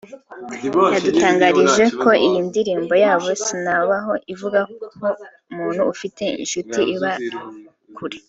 yadutangarije ko iyi ndirimbo yabo 'Sinabaho' ivuga ku muntu ufite inshuti iba kure